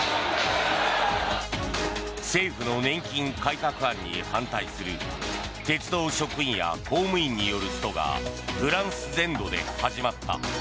政府の年金改革案に反対する鉄道職員や公務員によるストがフランス全土で始まった。